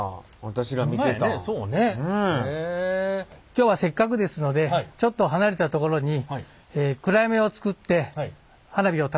今日はせっかくですのでちょっと離れたところに用意してあります。